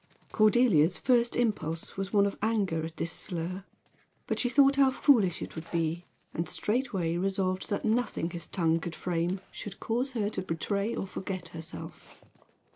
Cordelia's first impulse was one of anger at this slur; but she thought how foolish it would be, and straightway resolved that nothing his tongue could frame should cause her to betray or forget herself.